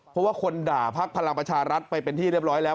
เพราะว่าคนด่าพักพลังประชารัฐไปเป็นที่เรียบร้อยแล้ว